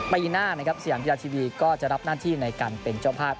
ปีหน้านะครับสยามกีฬาทีวีก็จะรับหน้าที่ในการเป็นเจ้าภาพ